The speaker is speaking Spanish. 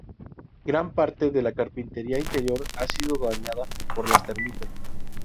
Gran parte de la carpintería interior ha sido dañada por las termitas.